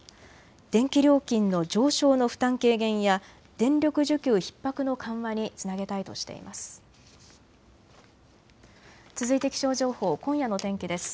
電気料金の上昇の負担軽減や電力需給ひっ迫の緩和につなげたいとしています。